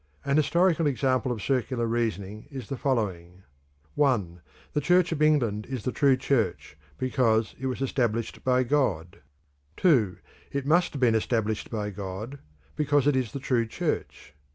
An historic example of circular reasoning is the following: (1) The Church of England is the true Church, because it was established by God; (2) it must have been established by God, because it is the true Church.